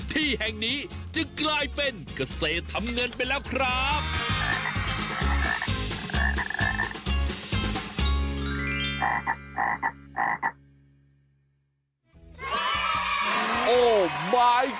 ที่แห่งนี้จะกลายเป็นเกษตรทำเงินไปแล้วครับ